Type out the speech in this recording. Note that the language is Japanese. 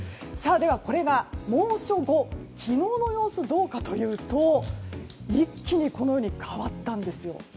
これが猛暑後昨日の様子はどうかというと一気に変わったんです。